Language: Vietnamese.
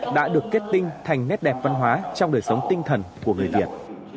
đã được kết tinh thành nét đẹp văn hóa trong đời sống tinh thần của người việt